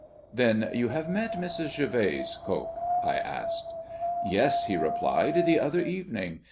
"Then you have met Mrs. Gervase, Coke?" I asked. "Yes," he replied, "the other evening.